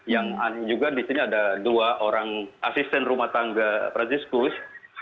yang aneh juga disini ada dua orang asisten rumah tangga franciscus